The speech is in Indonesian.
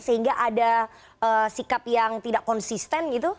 sehingga ada sikap yang tidak konsisten gitu